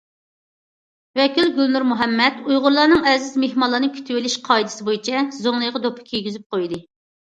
ۋەكىل گۈلنۇر مۇھەممەد ئۇيغۇرلارنىڭ ئەزىز مېھمانلارنى كۈتۈۋېلىش قائىدىسى بويىچە زۇڭلىغا دوپپا كىيگۈزۈپ قويدى.